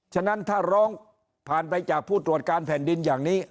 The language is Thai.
ฉะนั้นถ้าร้องผ่านไปจากผู้ตรวจการแผ่นดินอย่างนี้